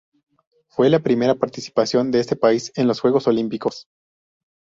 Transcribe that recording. Fue la primera participación de este país en los Juegos Olímpicos.